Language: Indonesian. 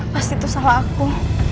pasti itu salah aku